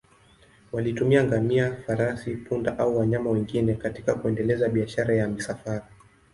Walitumia ngamia, farasi, punda au wanyama wengine katika kuendeleza biashara ya misafara.